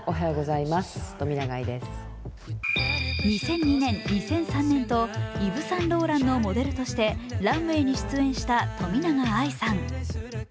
２００２年、２００３年とイヴ・サンローランのモデルとしてランウェイに出演した冨永愛さん。